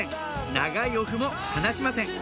長いお麩も離しません